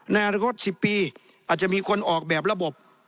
ในอนาคต๑๐ปีอาจจะมีคนออกแบบระบบ